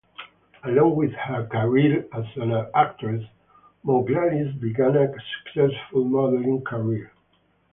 Along with her career as an actress, Mouglalis began a successful modelling career.